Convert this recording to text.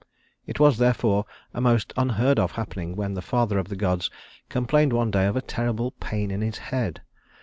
It was, therefore, a most unheard of happening when the Father of the gods complained one day of a terrible pain in his head.